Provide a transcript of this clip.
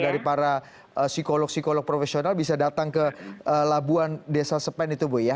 dari para psikolog psikolog profesional bisa datang ke labuan desa sepen itu bu ya